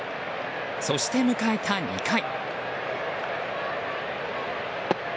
そして迎えた２回。